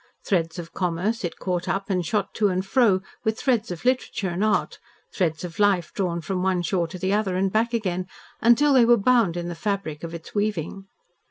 Threads of commerce it caught up and shot to and fro, with threads of literature and art, threads of life drawn from one shore to the other and back again, until they were bound in the fabric of its weaving.